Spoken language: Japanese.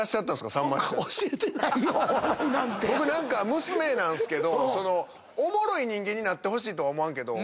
僕何か娘なんですけどおもろい人間になってほしいとは思わんけど。